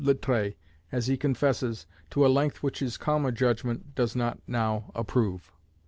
Littré, as he confesses, to a length which his calmer judgment does not now approve.